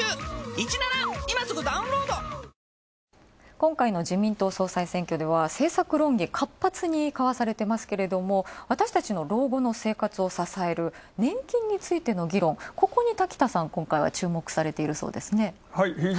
今回の自民党総裁選では政策論議、活発に交わされてますけれども私たちの老後の生活を支える年金についての議論、ここに滝田さん、今回は注目されているそうですね。